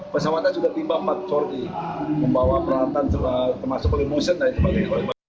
pesawatnya sudah tiba empat sore ini membawa perantan termasuk oleh motion dan lain lain